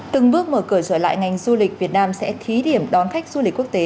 từng bước mở cửa trở lại ngành du lịch việt nam sẽ thí điểm đón khách du lịch quốc tế